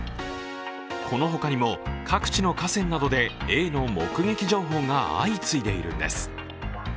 この他にも各地の河川などでエイの目撃情報が相次いでいるんです。